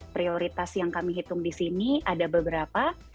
prioritas yang kami hitung di sini ada beberapa